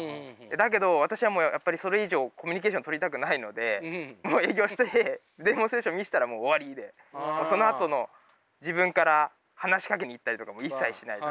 だけど私はもうやっぱりそれ以上コミュニケーションとりたくないのでもう営業してデモンストレーション見せたらもう終わりでそのあとの自分から話しかけに行ったりとかも一切しない。